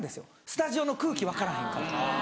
スタジオの空気分からへんから。